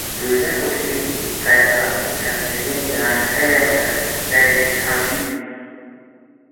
หรือได้คนเก่งเป็นแฟน สนับสนุนกันในเรื่องงาน ให้แรงบันดาลใจในทางที่ดี